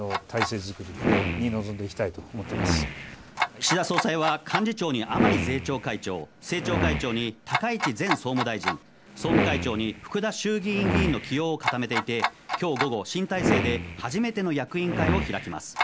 岸田総裁は幹事長に甘利税調会長、政調会長に高市前総務大臣、総務会長に福田衆議院議員の起用を固めていて、今日午後、新体制で初めての役員会を開きます。